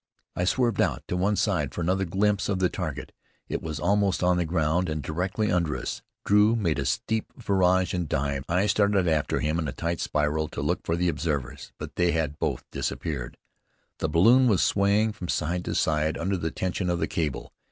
I swerved out to one side for another glimpse of the target: it was almost on the ground, and directly under us. Drew made a steep virage and dived. I started after him in a tight spiral, to look for the observers; but they had both disappeared. The balloon was swaying from side to side under the tension of the cable.